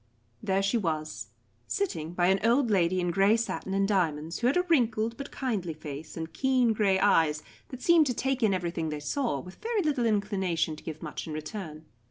There she was, sitting by an old lady in grey satin and diamonds, who had a wrinkled but kindly face and keen grey eyes that seemed to take in everything they saw, with very little inclination to give much in return.